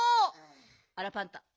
あらパンタ